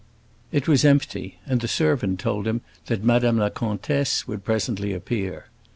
It was empty, and the servant told him that Madame la Comtesse would presently appear.